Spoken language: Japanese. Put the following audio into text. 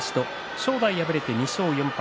正代敗れて２勝４敗。